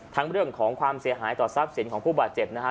เรื่องของความเสียหายต่อทรัพย์สินของผู้บาดเจ็บนะฮะ